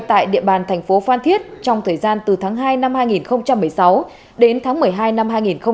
tại địa bàn thành phố phan thiết trong thời gian từ tháng hai năm hai nghìn một mươi sáu đến tháng một mươi hai năm hai nghìn một mươi tám